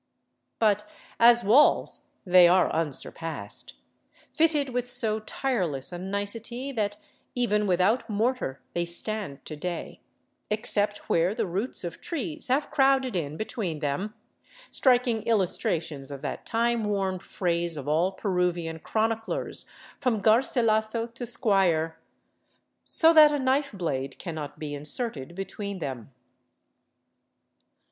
But as walls they are unsurpassed, fitted with so tireless a nicety that, even without mortar, they stand to day, except where the roots of trees have crowded in between them, striking illustrations of that time worn phrase of all Peruvian chroniclers from Garsilaso to Squier, j " so that a knife blade cannot be inserted between them."